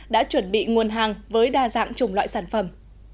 đã chuẩn bị nguồn hàng với đa dạng chủng loại sản phẩm